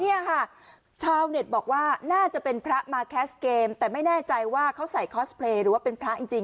เนี่ยค่ะชาวเน็ตบอกว่าน่าจะเป็นพระมาแคสเกมแต่ไม่แน่ใจว่าเขาใส่คอสเพลย์หรือว่าเป็นพระจริง